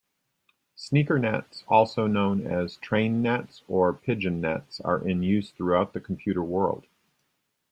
Sneakernets, also known as trainnets or pigeonets, are in use throughout the computer world.